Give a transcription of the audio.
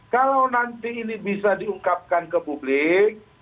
kalau nanti ini bisa diungkapkan ke publik